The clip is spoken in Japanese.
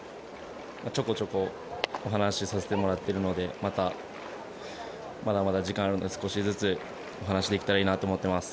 ちょこちょこお話しさせてもらってるのでまだまだ時間があるので少しずつお話しできたらいいなと思っています。